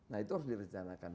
nah itu harus direncanakan